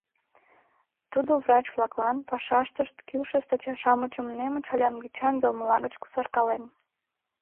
Тудо врач-влаклан пашаштышт кӱлшӧ статья-шамычым немыч але англичан йылмыла гыч кусаркален.